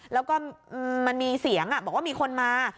แล้วก็มันมีเสียงบอกว่ามีคนมา